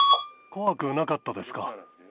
怖くなかったですか？